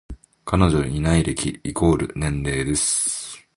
彼女いない歴イコール年齢です